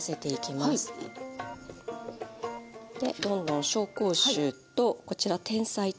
でどんどん紹興酒とこちらてんさい糖。